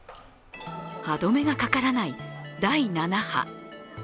歯止めがかからない第７波。